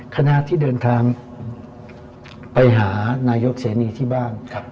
คณะที่เดินทางไปหานายกเสนีที่บ้าน